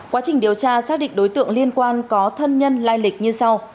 quá trình điều tra xác định đối tượng liên quan có thân nhân lai lịch như sau